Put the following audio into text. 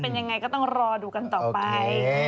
เป็นยังไงก็ต้องรอดูกันต่อไป